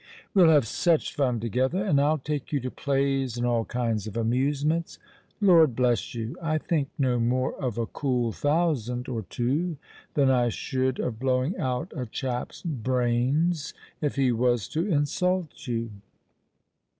We'll have such fun together—and I'll take you to plays and all kinds of amusements. Lord bless you! I think no more of a cool thousand or two than I should of blowing out a chap's brains if he was to insult you."